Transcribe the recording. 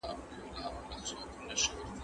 زه بايد لوښي پرېولم!!